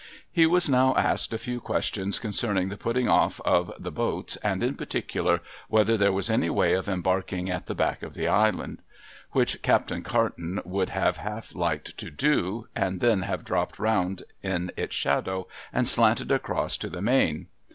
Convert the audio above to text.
He was now asked a few questions concerning the putting off of the boats, and in particular whether there was any way of embarking at the back of the Island : which Captain Carton would have half liked to do, and then have dropped round in its shadow and slanted across to the main.